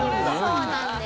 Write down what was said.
そうなんです。